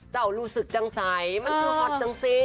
รู้สึกจังใสมันคือฮอตจังสิ